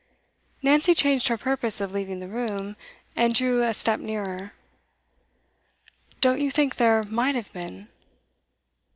Nancy changed her purpose of leaving the room, and drew a step nearer. 'Don't you think there might have been?